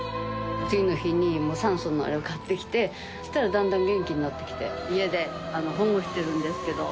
次の日に酸素のあれを買ってきてそうしたらだんだん元気になってきて家で保護してるんですけど。